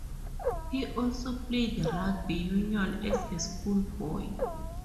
He also played rugby union as a schoolboy.